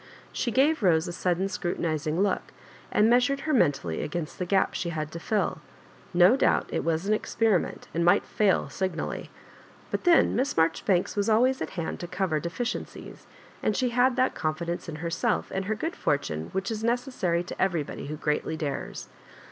She gave Bose a sudden scrutinising look, and measured her mentally against the gap she had to fill. No doubt it was an experiment and might fail signally; but then Miss Maijori banks was always at hand to cover deficiencies, and she had that confidence in herself and her good fortune which is necessary to everybody who greatly dares.